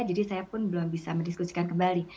jadi saya pun belum bisa mendiskusikan kembali